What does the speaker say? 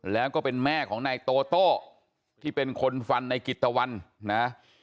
แล้วก็เป็นแม่ของนายโตโต้ที่เป็นคนฟันในกิตตะวันนะ